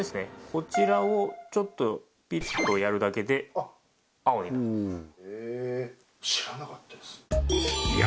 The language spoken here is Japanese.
こちらをちょっとピッとやるだけで青になるんですいや